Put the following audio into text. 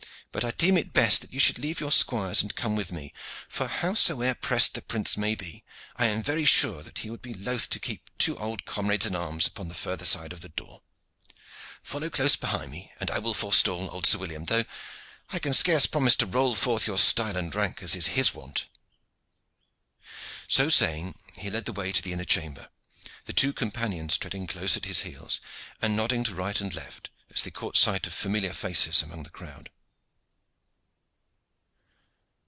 But I deem it best that ye should leave your squires and come with me, for, howsoe'er pressed the prince may be, I am very sure that he would be loth to keep two old comrades in arms upon the further side of the door. Follow close behind me, and I will forestall old Sir William, though I can scarce promise to roll forth your style and rank as is his wont." So saying, he led the way to the inner chamber, the two companions treading close at his heels, and nodding to right and left as they caught sight of familiar faces among the crowd.